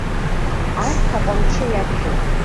Арҭ аҟамчы иабжьом.